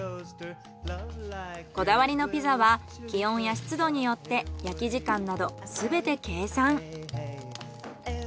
こだわりのピザは気温や湿度によって焼き時間などすべて計算。